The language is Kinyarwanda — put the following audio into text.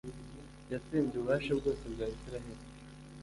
yatsembye ububasha bwose bwa Israheli,